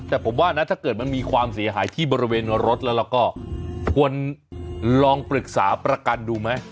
แต่ผมว่านะถ้าเกิดมันมีความเสียหายที่บริเวณรถแล้วเราก็ควรลองปรึกษาประกันดูไหม